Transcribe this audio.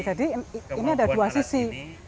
jadi ini ada dua sisi